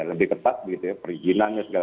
lebih tepat gitu ya perizinannya segala